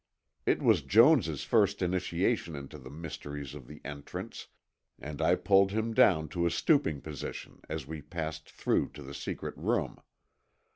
It was Jones' first initiation into the mysteries of the entrance, and I pulled him down to a stooping position as we passed through to the secret room.